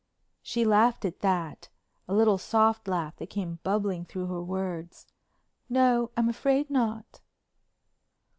She laughed at that, a little soft laugh that came bubbling through her words: "No, I'm afraid not."